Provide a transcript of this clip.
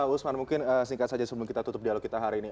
usman mungkin singkat saja sebelum kita tutup dialog kita hari ini